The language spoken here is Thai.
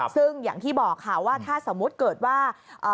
ซึ่งอย่างที่บอกค่ะว่าถ้าสมมุติเกิดว่า